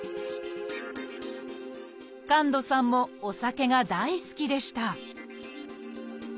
神門さんもお酒が大好きでした